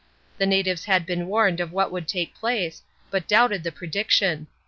The natives had been warned of what would take place, but doubted the prediction.